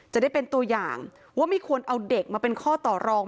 จะได้เป็นตัวอย่างว่าไม่ควรเอาเด็กมาเป็นข้อต่อรอง